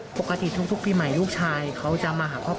ปกติทุกปีใหม่ลูกชายเขาจะมาหาครอบครัว